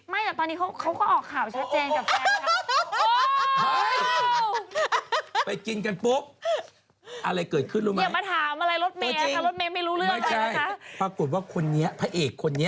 ไม่แต่ตอนนี้เขาก็ออกข่าวชัดเจนกับแฟนค่ะ